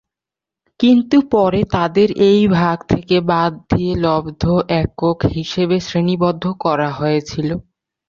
কিন্তু পরে তাদের এই ভাগ থেকে বাদ দিয়ে লব্ধ একক হিসাবে শ্রেণিবদ্ধ করা হয়েছিল।